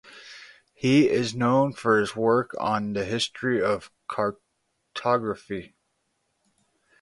He is known for his work on the history of cartography.